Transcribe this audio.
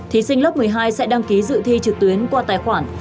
thí sinh lớp một mươi hai sẽ đăng ký dự thi trực tuyến qua tài khoản